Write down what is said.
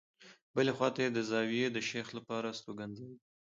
بلې خواته یې د زاویې د شیخ لپاره استوګنځای دی.